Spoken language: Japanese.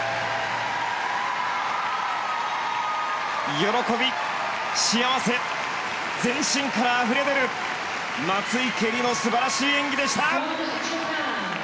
喜び、幸せ全身からあふれ出る松生理乃素晴らしい演技でした。